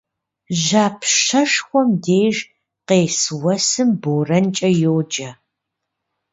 Жьапщэшхуэм деж къес уэсым борэнкӏэ йоджэ.